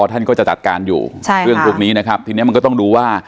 ท่านก็จะจัดการอยู่ใช่เรื่องพวกนี้นะครับทีนี้มันก็ต้องดูว่า